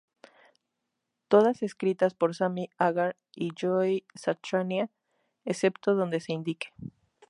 Todas escritas por Sammy Hagar y Joe Satriani, excepto donde se indique.